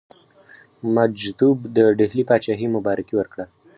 مجذوب د ډهلي پاچهي مبارکي ورکړه.